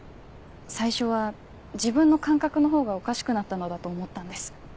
最初は自分の感覚のほうがおかしくなったのだと思ったんです。